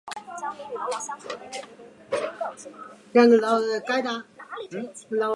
现在更需要提倡大胆探索。